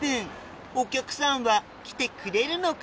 お客さんは来てくれるのか？